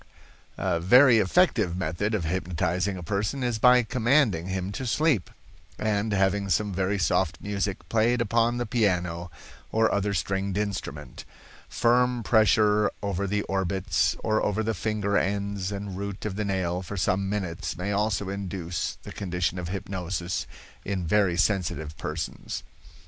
"A very effective method of hypnotizing a person is by commanding him to sleep, and having some very soft music played upon the piano, or other stringed instrument. Firm pressure over the orbits, or over the finger ends and root of the nail for some minutes may also induce the condition of hypnosis in very sensitive persons.